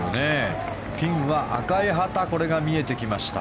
ピンは赤い旗これが見えてきました。